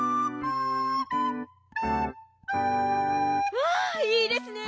わあいいですね！